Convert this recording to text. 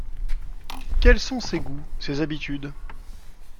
Quels sont ses goûts, ses habitudes?